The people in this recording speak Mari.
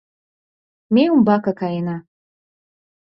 Ме умбаке каена.